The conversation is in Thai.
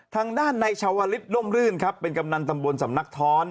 ทางด้านในชาวลิศน่มรื่นครับเป็นกำนันตำบลสำนักท้อน